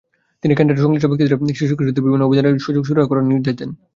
তিনি কেন্দ্রের সংশ্লিষ্ট ব্যক্তিদের শিশু-কিশোরদের বিভিন্ন অভিযোগের সুরাহা করার নির্দেশ দেন।